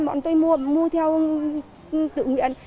mọi người tôi mua theo tự nguyện